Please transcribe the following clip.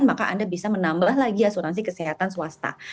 maka anda bisa menambah lagi asuransi kesehatan swasta